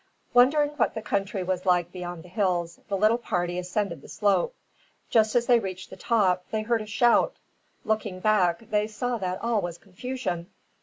Wondering what the country was like beyond the hills, the little party ascended the slope. Just as they reached the top, they heard a shout. Looking back, they saw that all was confusion.